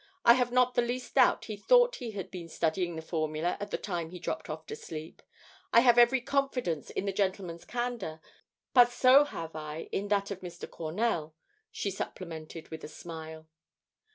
I have not the least doubt he thought he had been studying the formula at the time he dropped off to sleep. I have every confidence in the gentleman's candour. But so have I in that of Mr. Cornell," she supplemented, with a smile.